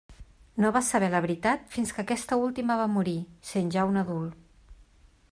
No va saber la veritat fins que aquesta última va morir, sent ja un adult.